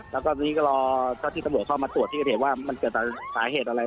แล้วก็ตอนนี้ก็รอเจ้าที่ตำรวจเข้ามาตรวจที่เกิดเหตุว่ามันเกิดจากสาเหตุอะไร